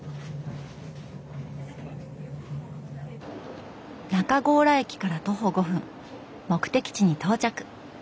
中強羅駅から徒歩５分目的地に到着。